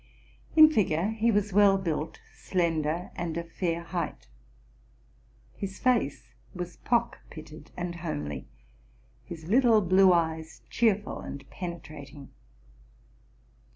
In figure he was well built, slender, and of fair height: his face was pock pitted and homely, his little blue eyes cheerful and penetrating.